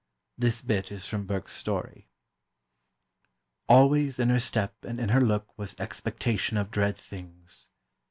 This bit is from Burke's story: ... always in her step and in her look was expectation of dread things